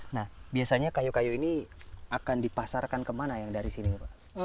nah biasanya kayu kayu ini akan dipasarkan kemana yang dari sini pak